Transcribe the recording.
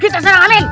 kita serang alin